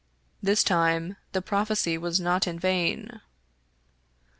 This time the prophecy was not in vain.